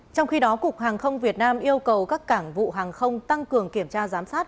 trong khi đó cục hàng không việt nam yêu cầu các cảng vụ hàng không tăng cường kiểm tra giám sát